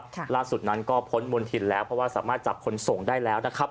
ทีนี้ก็พ้นบนถิดแล้วเพราะสามารถจับคนส่งได้แล้ว